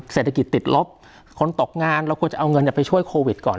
เศรษฐกิจติดลบคนตกงานเราควรจะเอาเงินไปช่วยโควิดก่อน